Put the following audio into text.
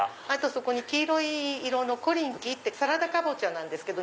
そこに黄色い色のコリンキーサラダカボチャなんですけど。